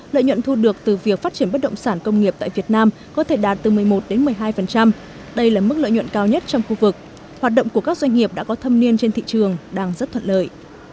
lợi nhuận thu được từ việc phát triển bất động sản công nghiệp tại việt nam có thể đạt từ một mươi một một mươi hai đây là mức lợi nhuận cao nhất trong khu vực hoạt động của các doanh nghiệp đã có thâm niên trên thị trường đang rất thuận lợi